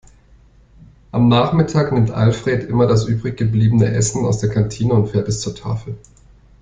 Am Nachmittag nimmt Alfred immer das übrig gebliebene Essen aus der Kantine und fährt es zur Tafel.